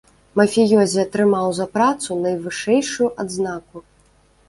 Мафіёзі атрымаў за працу найвышэйшую адзнаку.